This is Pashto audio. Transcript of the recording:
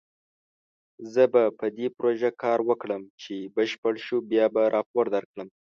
زه به په دې پروژه کار وکړم، چې بشپړ شو بیا به راپور درکړم